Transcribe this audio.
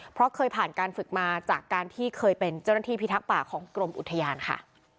เพราะเคยผ่านการฝึกมาจากการที่เคยเป็นเจ้าหน้าที่พิทักษ์ป่าของกรมอุทยานค่ะ